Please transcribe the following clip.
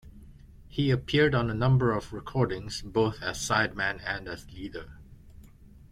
He appeared on a number of recordings, both as side-man and as leader.